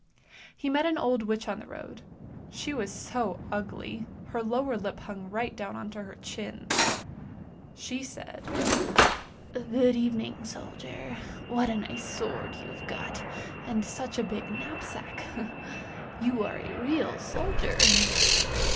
He met an old witch on the road, she was so ugly, her lower lip hung right down on to her chin. She said, " Good evening, soldier! What a nice sword you've got, and such a big knapsack; you are a real soldier!